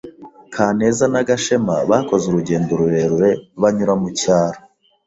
Kaneza na Gashema bakoze urugendo rurerure banyura mu cyaro.